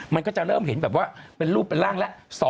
มันก็จะเริ่มเห็นแบบว่าเป็นรูปเป็นร่างแล้ว